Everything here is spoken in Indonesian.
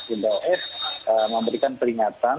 indah sos memberikan peringatan